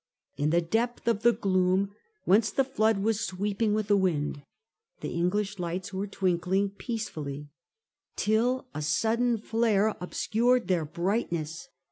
In the depth of the gloom whence the flood was sweeping with the wind, the English lights were twinkling peacefully, till a sudden flare obscured their brightness.